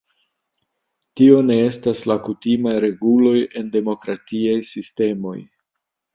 Tio ne estas la kutimaj reguloj en demokratiaj sistemoj.